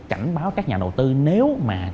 cảnh báo các nhà đầu tư nếu mà